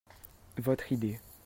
Votre idée.